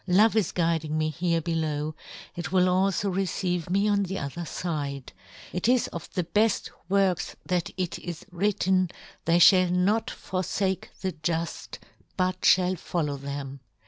" Love is guiding me here below, " it will alfo receive me on the other " fide ; it is of the beft works that " it is written, they fhall not forfake " the juft, but fhall follow them.